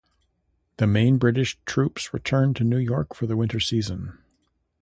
The main British troops returned to New York for the winter season.